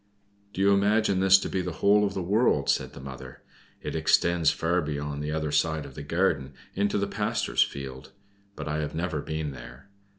"Do you imagine this to be the whole of the world?" said the mother. "It extends far beyond the other side of the garden in the pastor's field; but I have never been there.